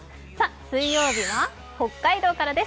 水曜日は北海道からです。